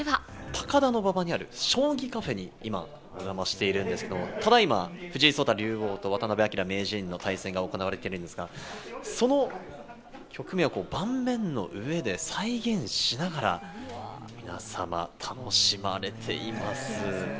高田馬場にある将棋カフェに今お邪魔しているんですけれども、ただいま藤井聡太竜王と渡辺明名人の対戦が行われているんですが、その局面を盤面の上で再現しながら、皆さま楽しまれています。